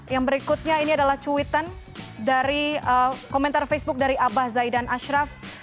yang berikutnya ini adalah cuitan dari komentar facebook dari abah zaidan ashraf